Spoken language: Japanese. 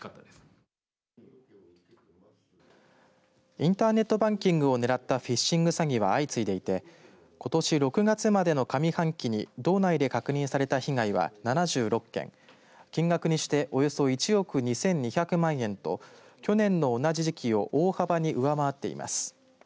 インターネットバンキングを狙ったフィッシング詐欺は相次いでいてことし６月までの上半期に道内で確認された被害は７６件金額にしておよそ１億２２００万円と去年の同じ時期を大幅に上回っています。